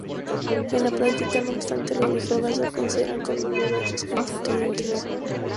En la práctica, no obstante, los dígrafos se consideran como sus dos letras constituyentes.